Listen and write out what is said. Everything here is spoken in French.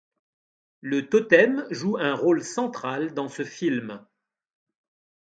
Le totem joue un rôle central dans ce film.